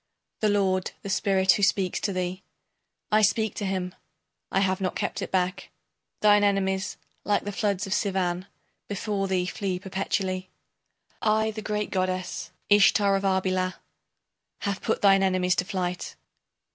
The lord, the spirit who speaks to thee I speak to him, I have not kept it back. Thine enemies, like the floods of Sivan Before thee flee perpetually. I the great goddess, Ishtar of Arbela Have put thine enemies to flight.